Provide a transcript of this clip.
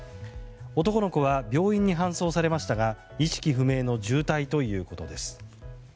男の子は病院に搬送されましたが意識不明の重体ということです。